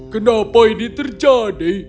kenapa ini terjadi